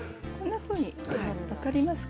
分かりますか？